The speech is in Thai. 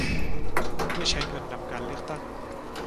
ไม่ใช้เงินนำการเลือกตั้ง